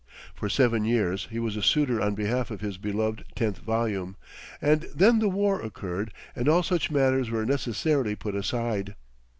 For seven years he was a suitor on behalf of his beloved tenth volume, and then the war occurred and all such matters were necessarily put aside.